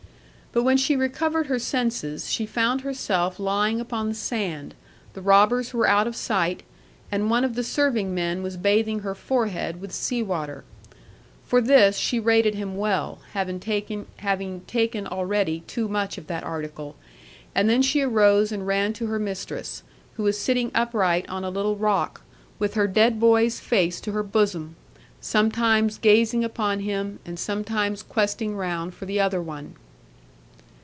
But when she recovered her senses, she found herself lying upon the sand, the robbers were out of sight, and one of the serving men was bathing her forehead with sea water. For this she rated him well, having taken already too much of that article; and then she arose and ran to her mistress, who was sitting upright on a little rock, with her dead boy's face to her bosom, sometimes gazing upon him, and sometimes questing round for the other one.